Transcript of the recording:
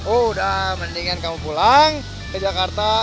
udah mendingan kamu pulang ke jakarta